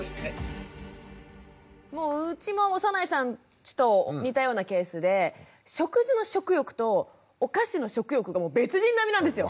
ちと似たようなケースで食事の食欲とお菓子の食欲がもう別人並みなんですよ。